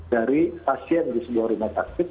dari stasiun di sebuah rumah sabjid